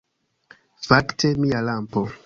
Fakte, mia lampo